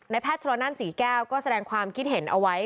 แพทย์ชนนั่นศรีแก้วก็แสดงความคิดเห็นเอาไว้